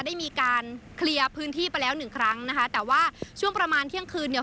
ได้มีการเคลียร์พื้นที่ไปแล้วหนึ่งครั้งนะคะแต่ว่าช่วงประมาณเที่ยงคืนเนี่ย